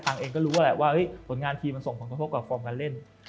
เองก็รู้แหละว่าผลงานทีมมันส่งผลกระทบกับฟอร์มการเล่น